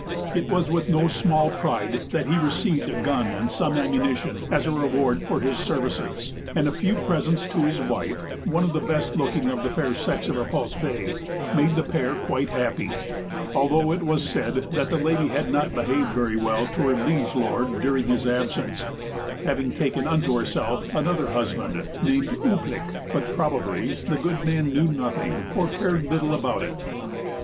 It was with no small pride that he received a gun and some ammunition, as a reward for his services; and a few presents to his wife, one of the best looking of the fair sex of Repulse Bay, made the pair quite happy, although it was said that the lady had not behaved very well to her liege lord during his absence, having taken unto herself another husband named Ou plik; but probably the good man knew nothing, or cared little, about it.